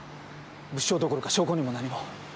物証どころか証拠にも何も。